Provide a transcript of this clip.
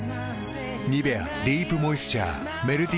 「ニベアディープモイスチャー」メルティタイプ